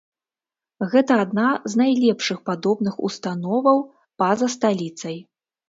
Гэта адна з найлепшых падобных установаў па-за сталіцай.